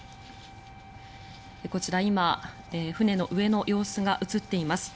こちら今、船の上の様子が映っています。